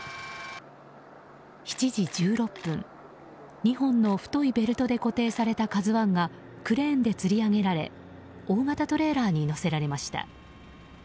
７時１６分２本の太いベルトで固定された「ＫＡＺＵ１」がクレーンでつり上げられ大型トレーラーに載せられました。